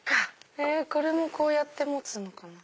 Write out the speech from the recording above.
これもこうやって持つのかな？